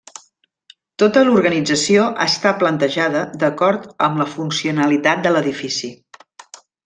Tota l'organització està plantejada d'acord amb la funcionalitat de l'edifici.